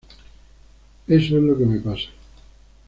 Eso es lo que me pasa".